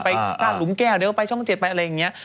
ไปด้านหลุมแก้วเดี๋ยวไปช่อง๗ไปอะไรอย่างนี้